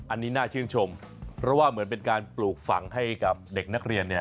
อันนี้น่าชื่นชมเพราะว่าเหมือนเป็นการปลูกฝังให้กับเด็กนักเรียนเนี่ย